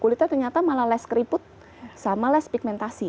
kulitnya ternyata malah less keriput sama less pigmentasi